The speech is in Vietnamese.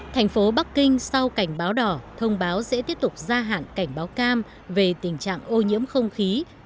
thành phố bắc kinh sau cảnh báo đỏ thông báo sẽ tiếp tục gia hạn cảnh báo cam về tình trạng ô nhiễm không khí